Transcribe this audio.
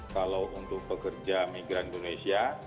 kalau untuk pekerja migran indonesia